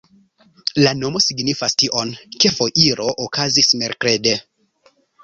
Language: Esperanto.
La nomo signifas tion, ke foiro okazis merkrede.